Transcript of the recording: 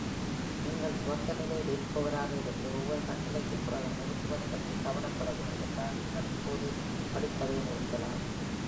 நீங்கள் துவக்க நிலையில் இருப்பவராக இருந்து, ஒவ்வொரு கட்டளைக்குப் பிறகும் நிறுத்துவது பற்றி கவலைப்படவில்லை என்றால், நீங்கள் இப்போது படிப்பதை நிறுத்தலாம்.